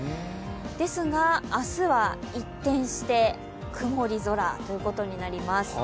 ですが明日は一転して曇り空ということになります。